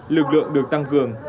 lực lượng được tăng cường